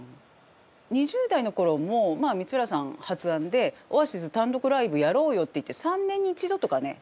２０代の頃もまあ光浦さん発案でオアシズ単独ライブやろうよって言って３年に１度とかね